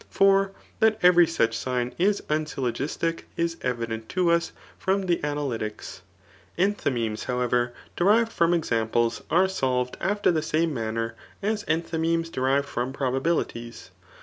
For that every such sign is unsyllogistic is evident to os from the analy* tics. Enthymemesy however, derived from enmplea are solved after the same manner as endiymemes derived from probabilities.